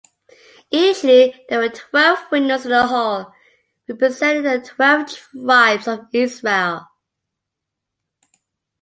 Initially there were twelve windows in the hall, representing the twelve tribes of Israel.